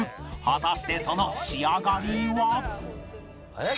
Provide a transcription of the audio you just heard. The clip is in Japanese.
果たしてその仕上がりは？